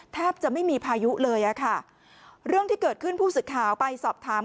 แทบจะไม่มีพายุเลยอ่ะค่ะเรื่องที่เกิดขึ้นผู้สื่อข่าวไปสอบถาม